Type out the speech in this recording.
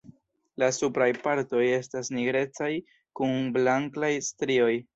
La supraj partoj estas nigrecaj kun blankaj strioj.